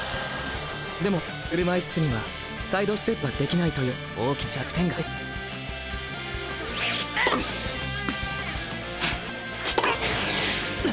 でも車いすテニスにはサイドステップができないという大きな弱点がある。